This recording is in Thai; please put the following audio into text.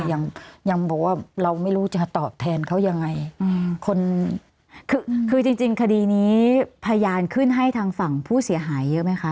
ยังยังบอกว่าเราไม่รู้จะตอบแทนเขายังไงอืมคนคือคือจริงจริงคดีนี้พยานขึ้นให้ทางฝั่งผู้เสียหายเยอะไหมคะ